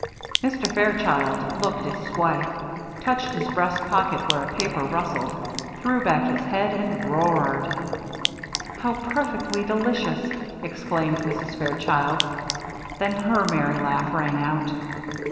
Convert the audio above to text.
Mr. Fairchild looked at his wife, touched his breast pocket where a paper rustled, threw back his head, and roared. "How perfectly delicious!" exclaimed Mrs. Fairchild. Then her merry laugh rang out.